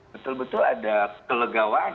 betul betul ada kelegawaan